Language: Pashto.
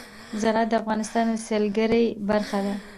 زراعت د افغانستان د سیلګرۍ برخه ده.